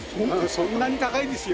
そんなに高いんですよ。